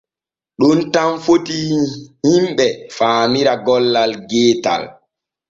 Ɗon tan fitii himɓe faamira gollal geetal.